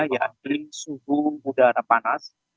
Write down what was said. yakni suhu udara panas